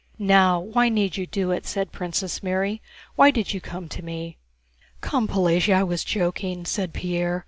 "Now, why need you do it?" said Princess Mary. "Why did you come to me?..." "Come, Pelagéya, I was joking," said Pierre.